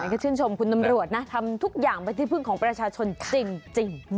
ก็ชื่นชมคุณตำรวจนะทำทุกอย่างเป็นที่พึ่งของประชาชนจริง